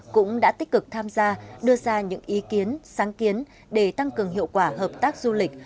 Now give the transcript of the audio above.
cũng đã tích cực tham gia đưa ra những ý kiến sáng kiến để tăng cường hiệu quả hợp tác du lịch